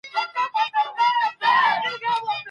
هغه په ډېرې ارامۍ سره ځواب راکوي.